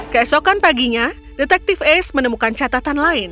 keesokan paginya detektif ace menemukan catatan lain